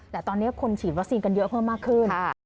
แต่ตอนนี้คนฉีดวัคซีนกันเยอะเพิ่มมากขึ้น